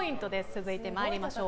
続いて参りましょう。